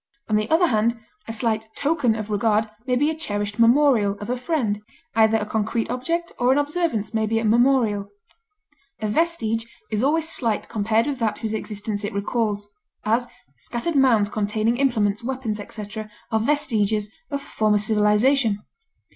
On the other hand, a slight token of regard may be a cherished memorial of a friend; either a concrete object or an observance may be a memorial. A vestige is always slight compared with that whose existence it recalls; as, scattered mounds containing implements, weapons, etc., are vestiges of a former civilization.